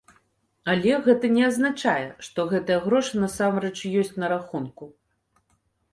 Але гэта не азначае, што гэтыя грошы насамрэч ёсць на рахунку.